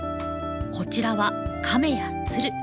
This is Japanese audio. こちらは亀や鶴。